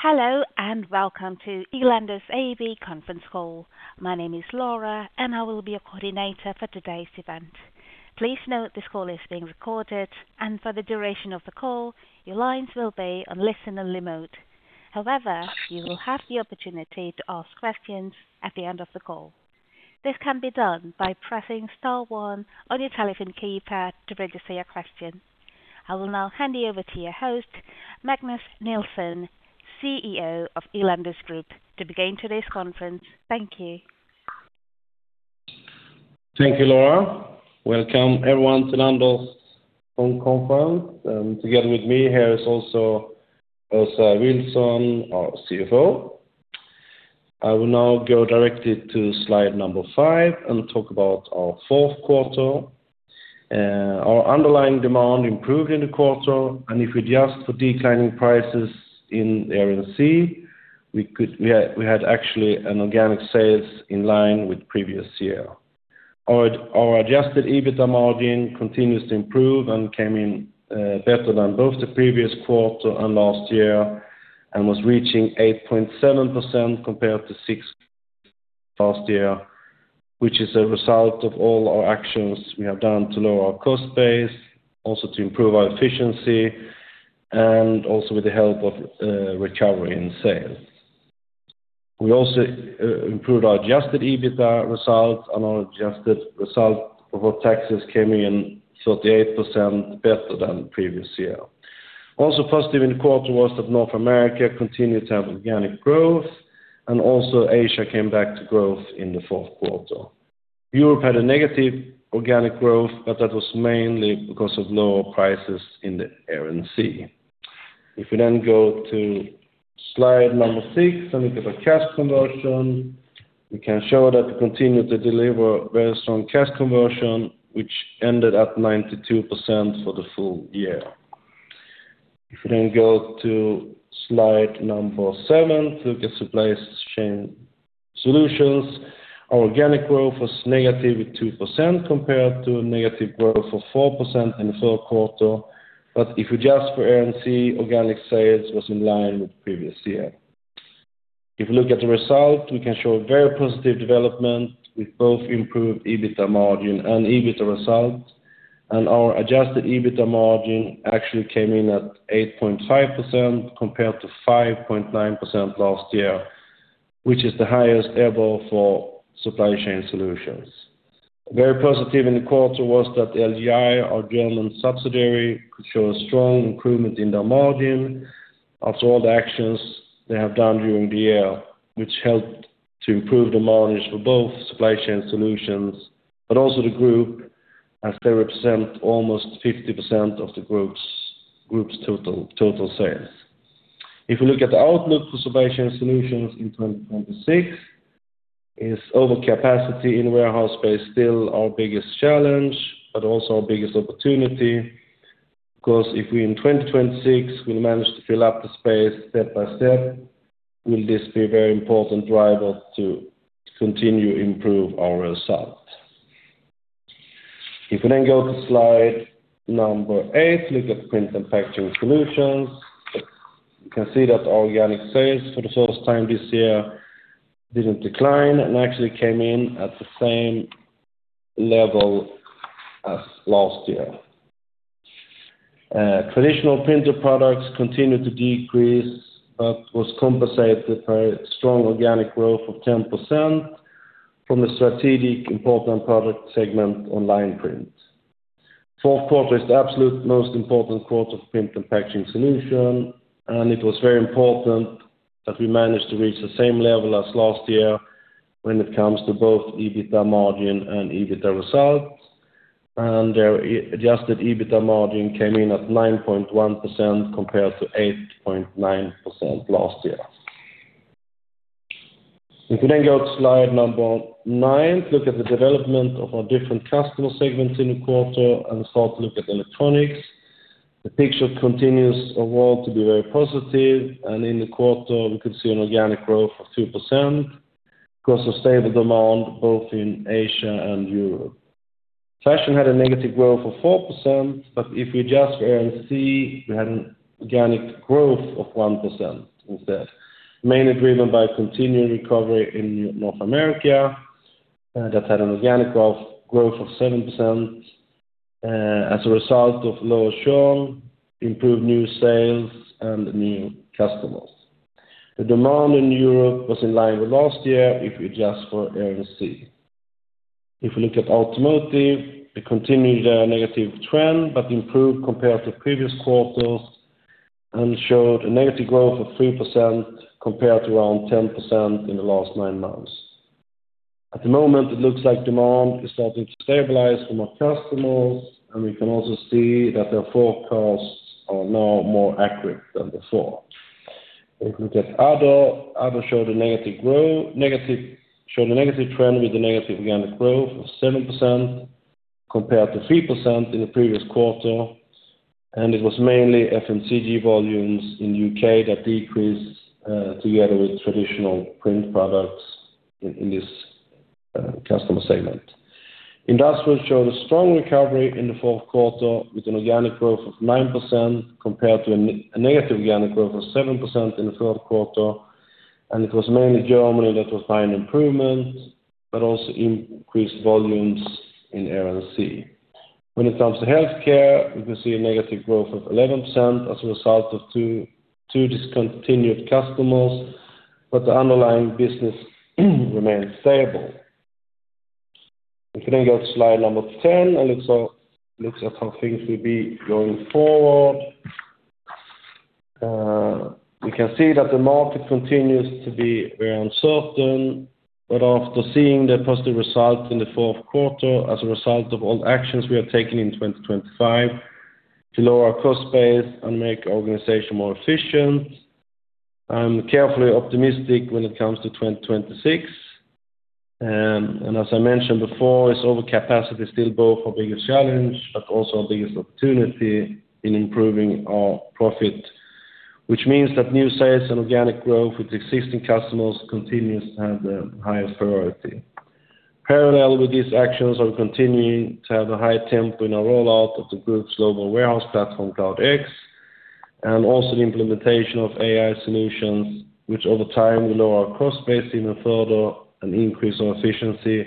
Hello and welcome to Elanders AB Conference Call. My name is Laura, and I will be your coordinator for today's event. Please note this call is being recorded, and for the duration of the call, your lines will be on listen-only mode. However, you will have the opportunity to ask questions at the end of the call. This can be done by pressing star one on your telephone keypad to register your question. I will now hand you over to your host, Magnus Nilsson, CEO of Elanders Group, to begin today's conference. Thank you. Thank you, Laura. Welcome everyone to Elanders Phone Conference. Together with me here is also Åsa Vilsson, our CFO. I will now go directly to slide number 5 and talk about our fourth quarter. Our underlying demand improved in the quarter, and if we adjust for declining prices in Air & Sea, we had actually an organic sales in line with previous year. Our adjusted EBITDA margin continues to improve and came in better than both the previous quarter and last year, and was reaching 8.7% compared to 6% last year, which is a result of all our actions we have done to lower our cost base, also to improve our efficiency, and also with the help of recovery in sales. We also improved our adjusted EBITDA result, and our adjusted result for tax came in 38% better than previous year. Also positive in the quarter was that North America continued to have organic growth, and also Asia came back to growth in the fourth quarter. Europe had a negative organic growth, but that was mainly because of lower prices in the Air & Sea. If we then go to slide number 6 and look at our cash conversion, we can show that we continue to deliver very strong cash conversion, which ended at 92% for the full year. If we then go to slide number 7, look at Supply Chain Solutions, our organic growth was negative at 2% compared to a negative growth of 4% in the third quarter, but if we adjust for Air & Sea, organic sales was in line with previous year. If we look at the result, we can show a very positive development with both improved EBITDA margin and EBITDA result, and our adjusted EBITDA margin actually came in at 8.5% compared to 5.9% last year, which is the highest ever for Supply Chain Solutions. Very positive in the quarter was that LGI, our German subsidiary, could show a strong improvement in their margin after all the actions they have done during the year, which helped to improve the margins for both Supply Chain Solutions, but also the group, as they represent almost 50% of the group's total sales. If we look at the outlook for Supply Chain Solutions in 2026, is overcapacity in warehouse space still our biggest challenge, but also our biggest opportunity? Because if we in 2026 will manage to fill up the space step by step, will this be a very important driver to continue to improve our result? If we then go to slide 8, look at Print & Packaging Solutions, you can see that organic sales for the first time this year didn't decline and actually came in at the same level as last year. Traditional printer products continued to decrease but was compensated by strong organic growth of 10% from the strategic important product segment Online Print. Fourth quarter is the absolute most important quarter for Print & Packaging Solutions, and it was very important that we managed to reach the same level as last year when it comes to both EBITDA margin and EBITDA result, and their adjusted EBITDA margin came in at 9.1% compared to 8.9% last year. If we then go to slide number 9, look at the development of our different customer segments in the quarter and start to look at electronics. The picture continues overall to be very positive, and in the quarter, we could see an organic growth of 2% because of stable demand both in Asia and Europe. Fashion had a negative growth of 4%, but if we adjust for Air & Sea, we had an organic growth of 1% instead, mainly driven by continued recovery in North America that had an organic growth of 7% as a result of lower churn, improved new sales, and new customers. The demand in Europe was in line with last year if we adjust for Air & Sea. If we look at automotive, it continued a negative trend but improved compared to previous quarters and showed a negative growth of 3% compared to around 10% in the last nine months. At the moment, it looks like demand is starting to stabilize from our customers, and we can also see that their forecasts are now more accurate than before. If we look at Other, Other showed a negative trend with a negative organic growth of 7% compared to 3% in the previous quarter, and it was mainly FMCG volumes in the U.K. that decreased together with traditional print products in this customer segment. Industrial showed a strong recovery in the fourth quarter with an organic growth of 9% compared to a negative organic growth of 7% in the third quarter, and it was mainly Germany that was behind improvement but also increased volumes in Air & Sea. When it comes to healthcare, we can see a negative growth of 11% as a result of two discontinued customers, but the underlying business remains stable. If we then go to slide number 10 and look at how things will be going forward, we can see that the market continues to be very uncertain, but after seeing the positive result in the fourth quarter as a result of all actions we have taken in 2025 to lower our cost base and make our organization more efficient, I'm carefully optimistic when it comes to 2026. And as I mentioned before, is overcapacity still both our biggest challenge but also our biggest opportunity in improving our profit, which means that new sales and organic growth with existing customers continues to have the highest priority. Parallel with these actions, we're continuing to have a high tempo in our rollout of the group's global warehouse platform, CloudX, and also the implementation of AI solutions, which over time will lower our cost base even further and increase our efficiency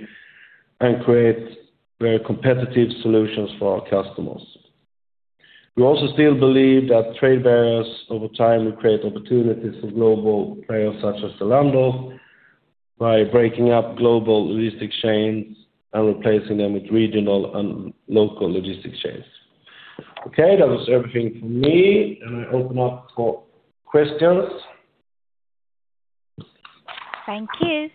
and create very competitive solutions for our customers. We also still believe that trade barriers over time will create opportunities for global players such as Elanders by breaking up global logistics chains and replacing them with regional and local logistics chains. Okay, that was everything from me, and I open up for questions. Thank you.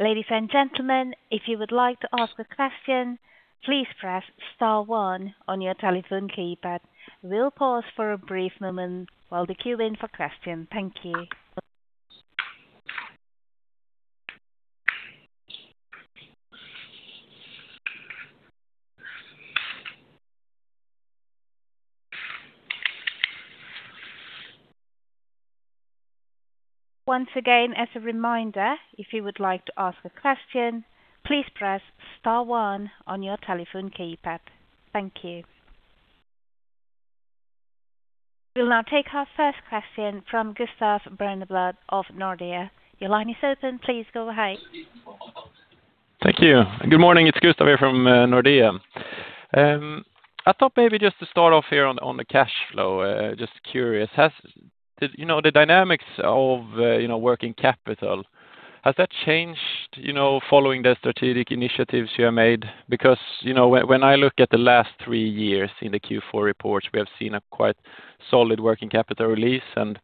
Ladies and gentlemen, if you would like to ask a question, please press star one on your telephone keypad. We'll pause for a brief moment while the queue waits for questions. Thank you. Once again, as a reminder, if you would like to ask a question, please press star one on your telephone keypad. Thank you. We'll now take our first question from Gustav Berneblad of Nordea. Your line is open. Please go ahead. Thank you. Good morning. It's Gustav here from Nordea. I thought maybe just to start off here on the cash flow, just curious, the dynamics of working capital, has that changed following the strategic initiatives you have made? Because when I look at the last three years in the Q4 reports, we have seen a quite solid working capital release, and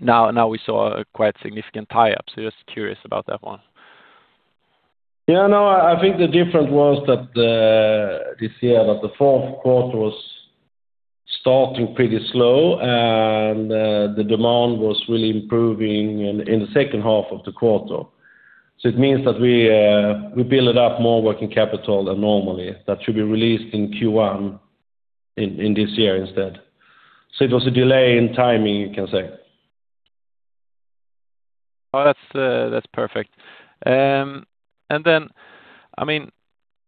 now we saw a quite significant tie-up. So just curious about that one. Yeah, no, I think the difference was that this year, that the fourth quarter was starting pretty slow, and the demand was really improving in the second half of the quarter. So it means that we built up more working capital than normal. That should be released in Q1 in this year instead. So it was a delay in timing, you can say. Oh, that's perfect. And then, I mean,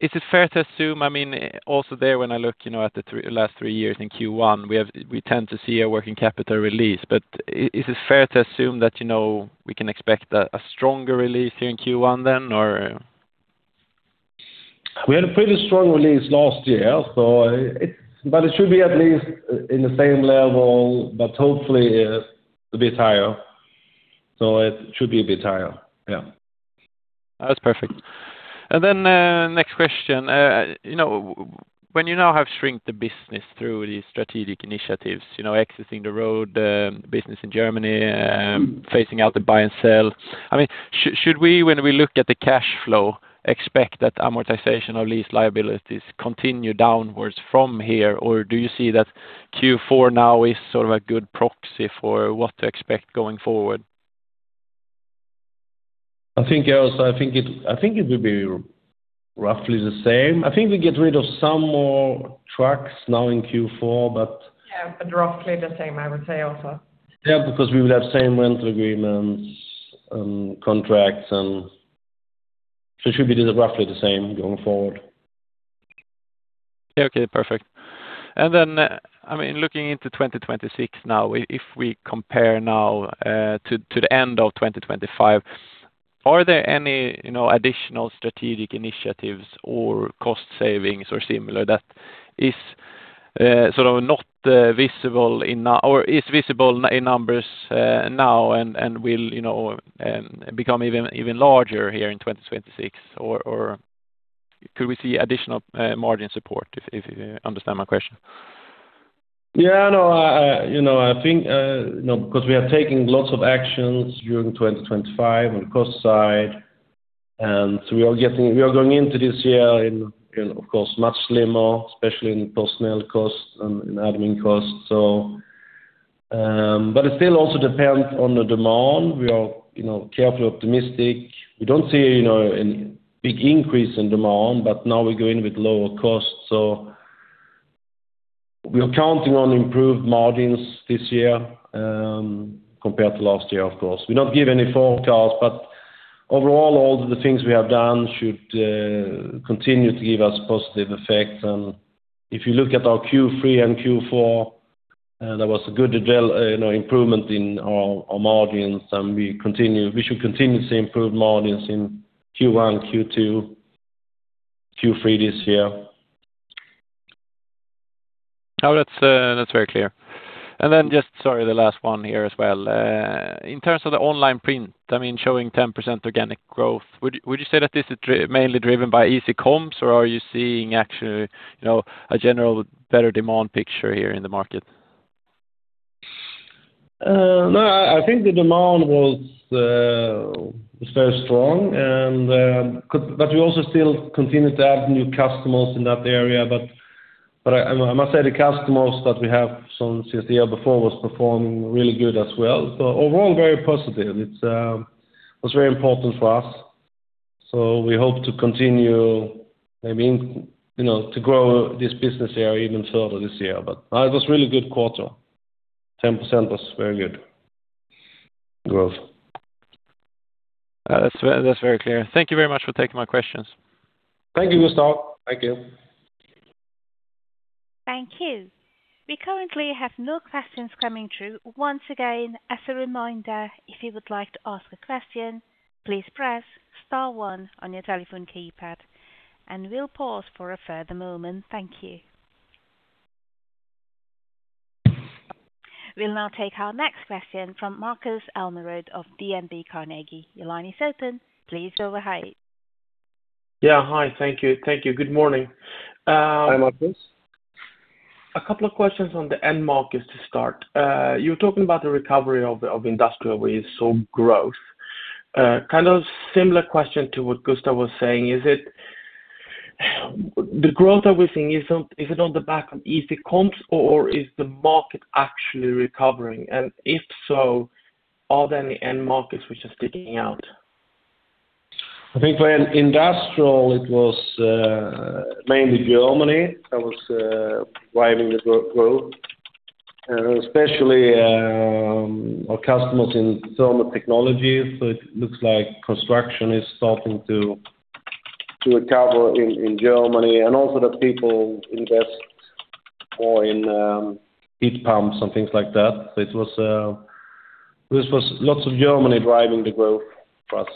is it fair to assume, I mean, also there when I look at the last three years in Q1, we tend to see a working capital release, but is it fair to assume that we can expect a stronger release here in Q1 then, or? We had a pretty strong release last year, but it should be at least in the same level, but hopefully a bit higher. So it should be a bit higher. Yeah. That's perfect. And then next question, when you now have shrunk the business through these strategic initiatives, exiting the road business in Germany, phasing out the buy and sell, I mean, should we, when we look at the cash flow, expect that amortization of lease liabilities continue downwards from here, or do you see that Q4 now is sort of a good proxy for what to expect going forward? I think, Åsa, I think it will be roughly the same. I think we get rid of some more trucks now in Q4, but. Yeah, but roughly the same, I would say also. Yeah, because we will have same rental agreements and contracts, and it should be roughly the same going forward. Okay, okay, perfect. And then, I mean, looking into 2026 now, if we compare now to the end of 2025, are there any additional strategic initiatives or cost savings or similar that is sort of not visible in now or is visible in numbers now and will become even larger here in 2026, or could we see additional margin support if you understand my question? Yeah, no, I think because we are taking lots of actions during 2025 on the cost side, and so we are going into this year in, of course, much slimmer, especially in personnel costs and in admin costs. But it still also depends on the demand. We are carefully optimistic. We don't see a big increase in demand, but now we go in with lower costs. So we are counting on improved margins this year compared to last year, of course. We don't give any forecasts, but overall, all the things we have done should continue to give us positive effects. And if you look at our Q3 and Q4, there was a good improvement in our margins, and we should continue to see improved margins in Q1, Q2, Q3 this year. Oh, that's very clear. And then just, sorry, the last one here as well. In terms of the Online Print, I mean, showing 10% organic growth, would you say that this is mainly driven by e-commerce, or are you seeing actually a general better demand picture here in the market? No, I think the demand was very strong, but we also still continue to add new customers in that area. But I must say the customers that we have since the year before were performing really good as well. So overall, very positive. It was very important for us. So we hope to continue maybe to grow this business area even further this year. But it was a really good quarter. 10% was very good growth. That's very clear. Thank you very much for taking my questions. Thank you, Gustav. Thank you. Thank you. We currently have no questions coming through. Once again, as a reminder, if you would like to ask a question, please press star one on your telephone keypad, and we'll pause for a further moment. Thank you. We'll now take our next question from Markus Almerud of DNB Carnegie. Your line is open. Please go ahead. Yeah, hi. Thank you. Thank you. Good morning. Hi, Marcus. A couple of questions on the end, Marcus, to start. You were talking about the recovery in industrial. What is the growth. Kind of similar question to what Gustav was saying. Is it the growth that we're seeing, is it on the back of e-commerce, or is the market actually recovering? And if so, are there any end markets which are sticking out? I think for industrial, it was mainly Germany that was driving the growth, especially our customers in thermal technology. It looks like construction is starting to recover in Germany, and also that people invest more in heat pumps and things like that. It was lots of Germany driving the growth for us.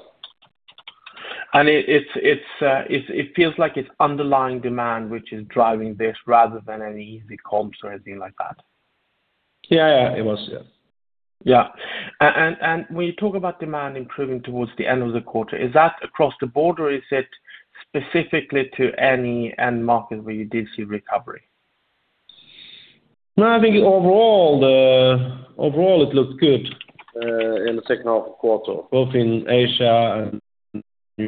And it feels like it's underlying demand which is driving this rather than any e-commerce or anything like that. Yeah, yeah, it was, yes. Yeah. When you talk about demand improving towards the end of the quarter, is that across the board, or is it specifically to any end market where you did see recovery? No, I think overall, it looked good in the second half of the quarter, both in Asia and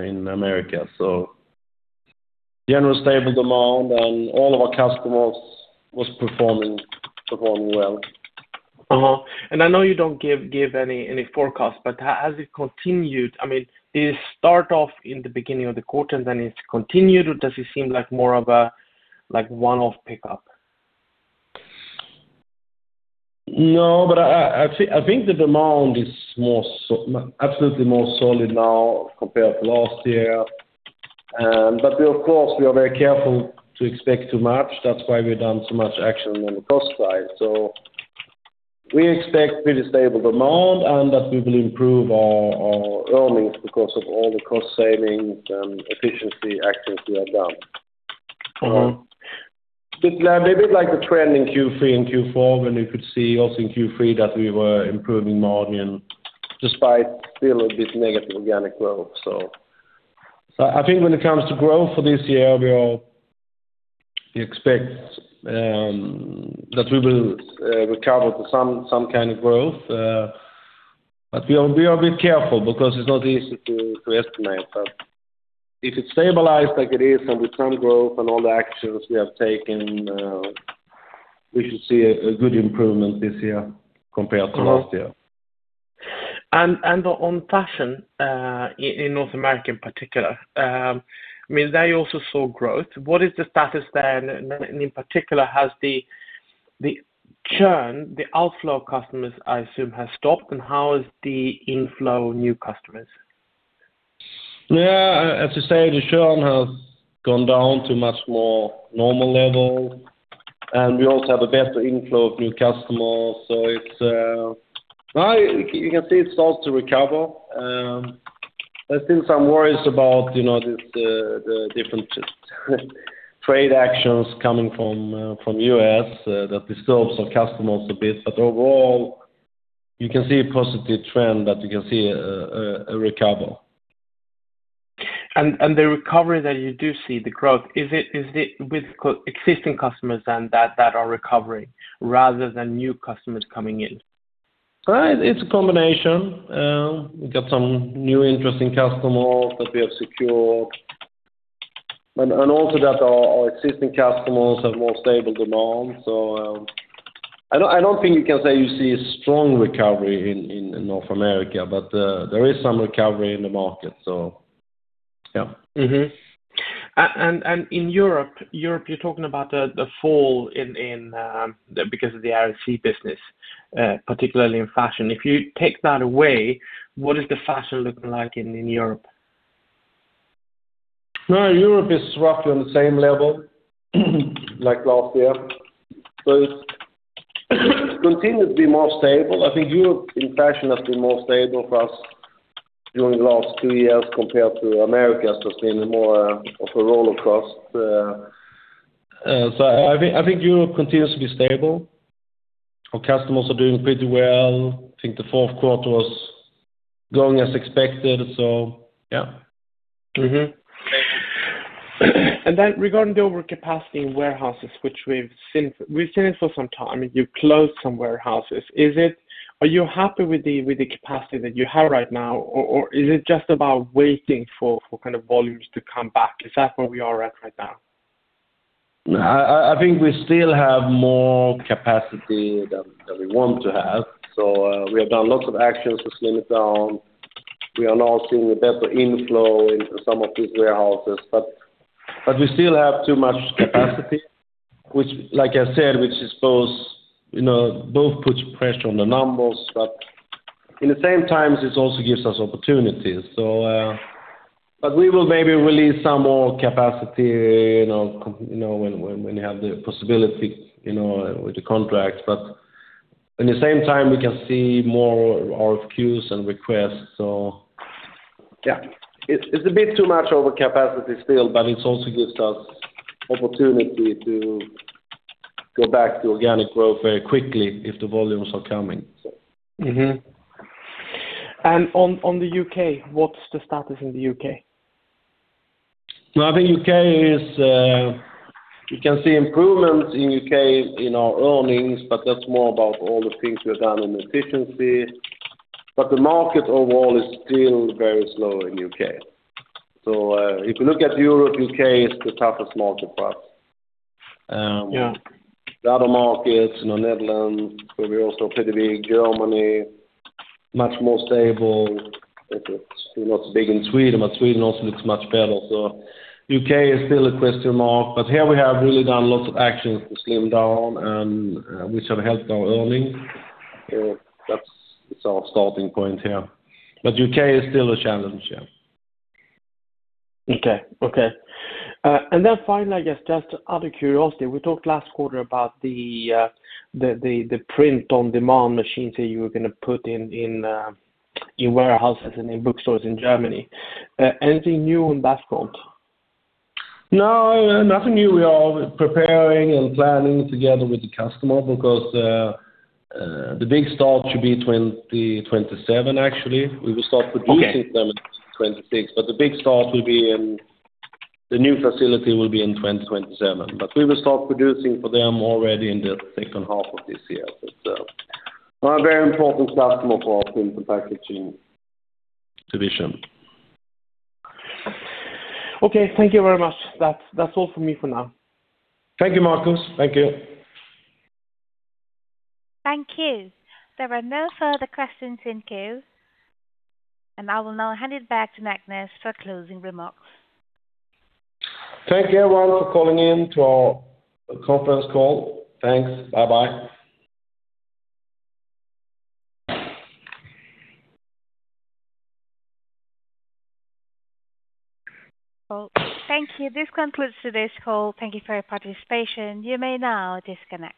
in America. So general stable demand, and all of our customers were performing well. I know you don't give any forecasts, but has it continued? I mean, did it start off in the beginning of the quarter and then it continued, or does it seem like more of a one-off pickup? No, but I think the demand is absolutely more solid now compared to last year. But of course, we are very careful to expect too much. That's why we've done so much action on the cost side. So we expect pretty stable demand and that we will improve our earnings because of all the cost savings and efficiency actions we have done. It's a little bit like the trend in Q3 and Q4 when you could see also in Q3 that we were improving margin despite still a bit negative organic growth. So I think when it comes to growth for this year, we expect that we will recover some kind of growth. But we are a bit careful because it's not easy to estimate. If it stabilizes like it is and with some growth and all the actions we have taken, we should see a good improvement this year compared to last year. On fashion in North America in particular, I mean, they also saw growth. What is the status there? In particular, has the churn, the outflow of customers, I assume, has stopped, and how is the inflow of new customers? Yeah, as you say, the churn has gone down to a much more normal level, and we also have a better inflow of new customers. So you can see it starts to recover. There's still some worries about the different trade actions coming from the U.S. that disturb our customers a bit. But overall, you can see a positive trend that you can see a recovery. The recovery that you do see, the growth, is it with existing customers then that are recovering rather than new customers coming in? It's a combination. We've got some new interesting customers that we have secured, and also that our existing customers have more stable demand. So I don't think you can say you see a strong recovery in North America, but there is some recovery in the market, so yeah. In Europe, you're talking about the fall because of the R&C business, particularly in fashion. If you take that away, what is the fashion looking like in Europe? No, Europe is roughly on the same level like last year. So it continues to be more stable. I think Europe in fashion has been more stable for us during the last two years compared to America, so it's been more of a roller coaster. So I think Europe continues to be stable. Our customers are doing pretty well. I think the fourth quarter was going as expected, so yeah. Regarding the overcapacity in warehouses, which we've seen for some time, you've closed some warehouses. Are you happy with the capacity that you have right now, or is it just about waiting for kind of volumes to come back? Is that where we are at right now? I think we still have more capacity than we want to have. So we have done lots of actions to slim it down. We are now seeing a better inflow into some of these warehouses, but we still have too much capacity, like I said, which both puts pressure on the numbers, but at the same time, this also gives us opportunities. But we will maybe release some more capacity when we have the possibility with the contracts. But at the same time, we can see more RFQs and requests, so. Yeah. It's a bit too much overcapacity still, but it also gives us opportunity to go back to organic growth very quickly if the volumes are coming, so. On the UK, what's the status in the UK? No, I think U.K. is you can see improvements in U.K. in our earnings, but that's more about all the things we've done in efficiency. But the market overall is still very slow in the U.K. So if you look at Europe, U.K. is the toughest market for us. The other markets, the Netherlands, where we also are pretty big, Germany, much more stable. It's not as big in Sweden, but Sweden also looks much better. So U.K. is still a question mark. But here we have really done lots of actions to slim down, which have helped our earnings. That's our starting point here. But U.K. is still a challenge here. Okay, okay. And then finally, I guess, just out of curiosity, we talked last quarter about the print-on-demand machines that you were going to put in warehouses and in bookstores in Germany. Anything new on that front? No, nothing new. We are preparing and planning together with the customer because the big start should be 2027, actually. We will start producing them in 2026, but the big start will be in the new facility will be in 2027. But we will start producing for them already in the second half of this year. So they're an important customer for our Print and Packaging Division. Okay, thank you very much. That's all from me for now. Thank you, Marcus. Thank you. Thank you. There are no further questions in queue, and I will now hand it back to Magnus for closing remarks. Thank you, everyone, for calling in to our conference call. Thanks. Bye-bye. Thank you. This concludes today's call. Thank you for your participation. You may now disconnect.